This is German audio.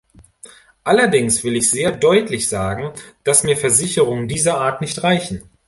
Allerdings will ich sehr deutlich sagen, dass mir Versicherungen dieser Art nicht reichen.